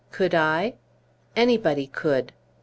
"Could I?" "Anybody could."